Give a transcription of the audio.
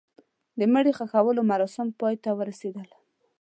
د مړي ښخولو مراسم پای ته ورسېدل.